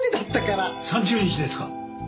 ３０日ですか？